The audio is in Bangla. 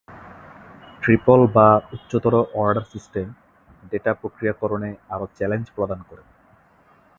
ট্রিপল বা উচ্চতর-অর্ডার সিস্টেম ডেটা প্রক্রিয়াকরণে আরও চ্যালেঞ্জ প্রদান করে।